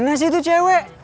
kemana sih itu cewek